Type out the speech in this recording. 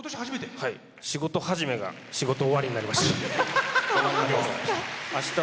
仕事始めが仕事終わりになりました。